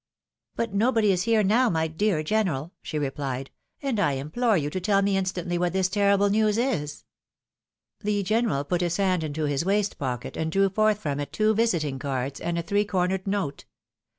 But nobody is here now, my dear general !" she replied ; "and I implore you to tell me instantly what this terrible news is." The general put his hand into his waistcoat pocket and drew forth from it two visiting cards, and a three cornered note.